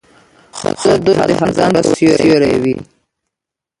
ښه دوست د خزان په ورځ سیوری وي.